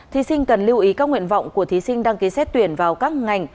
thí sinh cần lưu ý các nguyện vọng của thí sinh đăng ký xét tuyển vào các ngành